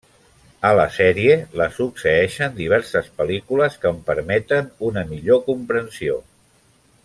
A la sèrie la succeeixen diverses pel·lícules que en permeten una millor comprensió.